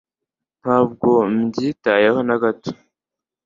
ntabwo mbyitayeho na gato